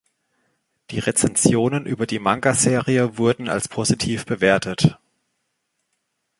Die Rezensionen über die Manga-Serie wurden als positiv bewertet.